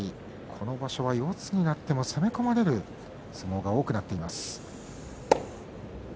この場所は四つになっても攻め込まれる相撲が多くなっています。